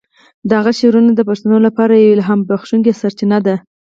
د هغه شعرونه د پښتنو لپاره یوه الهام بخښونکی سرچینه ده.